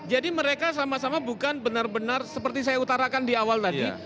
jadi mereka sama sama bukan benar benar seperti saya utarakan di awal tadi